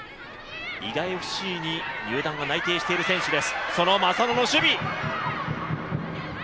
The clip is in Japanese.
伊賀ＦＣに入団が内定している選手です。